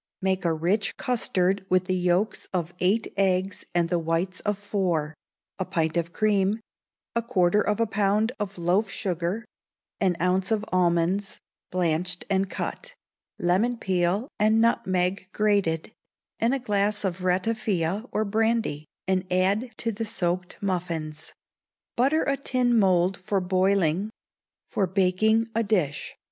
Make a rich custard with the yolks of eight eggs and the whites of four, a pint of cream, a quarter of a pound of loaf sugar, an ounce of almonds, blanched and cut, lemon peel and nutmeg grated, and a glass of ratafia or brandy, and add to the soaked muffins. Butter a tin mould for boiling for baking, a dish.